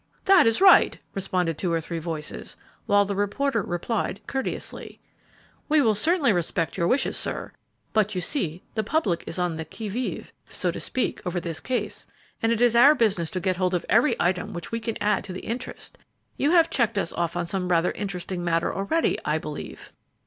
"That is right!" responded two or three voices, while the reporter replied, courteously, "We will certainly respect your wishes, sir; but you see the public is on the qui vive, so to speak, over this case, and it is our business to get hold of every item which we can to add to the interest. You have checked us off on some rather interesting matter already, I believe."